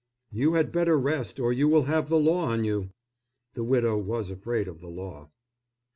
"You had better rest, or you will have the law on you." The widow was afraid of the law.